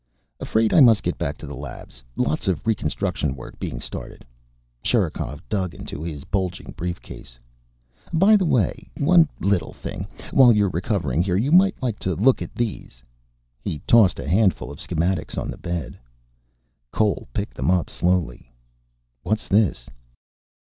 "Afraid I must get back to the labs. Lots of reconstruction work being started." Sherikov dug into his bulging briefcase. "By the way.... One little thing. While you're recovering here, you might like to look at these." He tossed a handful of schematics on the bed. Cole picked them up slowly. "What's this?"